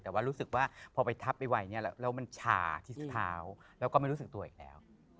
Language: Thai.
แต่ว่ารู้สึกว่าพอไปทับไปไวเนี่ยแล้วมันชาที่เท้าแล้วก็ไม่รู้สึกตัวอีกแล้ว